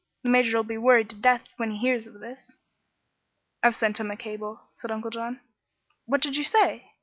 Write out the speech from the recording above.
The Major'll be worried to death when he hears of this." "I've sent him a cable," said Uncle John. "What did you say?"